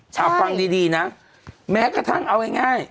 ฟังดีนะแม้กระทั่งเอาง่าย